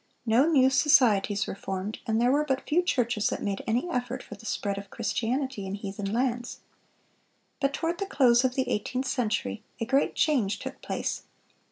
No new societies were formed, and there were but few churches that made any effort for the spread of Christianity in heathen lands. But toward the close of the eighteenth century a great change took place.